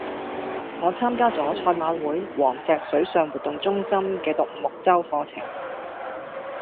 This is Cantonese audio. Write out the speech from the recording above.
我參加咗賽馬會黃石水上活動中心嘅獨木舟課程。